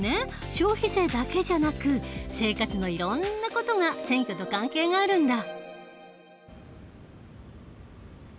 消費税だけじゃなく生活のいろんな事が選挙と関係があるんだ。